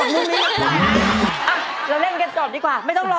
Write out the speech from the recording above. แม้จะเหนื่อยหล่อยเล่มลงไปล้องลอยผ่านไปถึงเธอ